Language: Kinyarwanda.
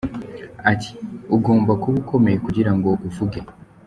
Ati: “Ugomba kuba ukomeye kugirango uvuge.